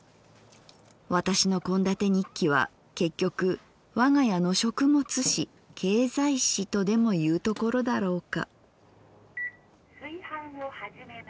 私の献立日記は結局わが家の食物史経済史とでもいうところだろうか」。